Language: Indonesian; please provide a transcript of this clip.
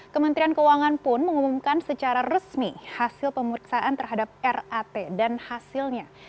kementerian keuangan pun mengumumkan secara resmi hasil pemeriksaan terhadap rat dan hasilnya